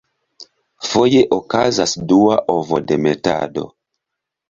Foje okazas dua ovodemetado.